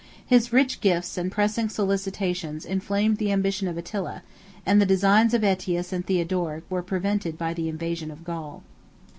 His rich gifts and pressing solicitations inflamed the ambition of Attila; and the designs of Ætius and Theodoric were prevented by the invasion of Gaul.